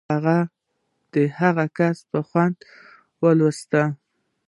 هغې د هغه کیسې په خوند لوستې